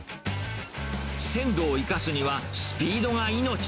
鮮度を生かすには、スピードが命。